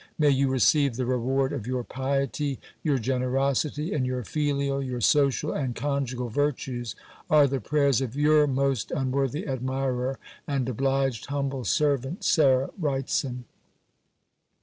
may you receive the reward of your piety, your generosity, and your filial, your social, and conjugal virtues! are the prayers of your most unworthy admirer, and obliged humble servant, "SARAH WRIGHTSON.